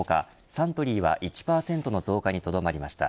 サントリーは１％の増加にとどまりました。